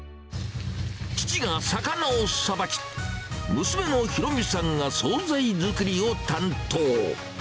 父が魚をさばき、娘の裕美さんが総菜作りを担当。